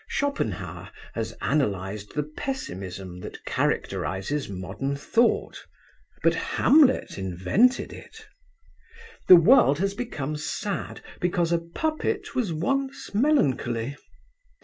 Schopenhauer has analysed the pessimism that characterises modern thought, but Hamlet invented it. The world has become sad because a puppet was once melancholy.